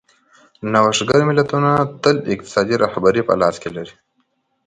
نوښتګر ملتونه تل اقتصادي رهبري په لاس کې لري.